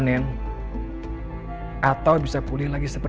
semoga kamu lekas pulih ya kak ila